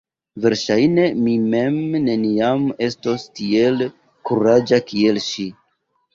Verŝajne mi mem neniam estos tiel kuraĝa kiel ŝi.